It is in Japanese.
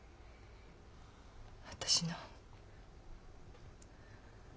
私の。